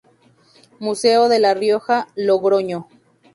Museo de la Rioja, Logroño.